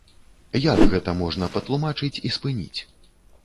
Як гэта можна патлумачыць і спыніць?